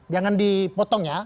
jangan dipotong ya